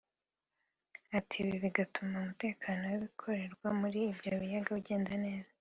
Ati “Ibi bizatuma umutekano w’ibikorerwa muri ibyo biyaga ugenda neza